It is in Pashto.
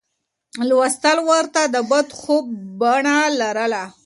لوستل ورته د بد خوب بڼه لرله.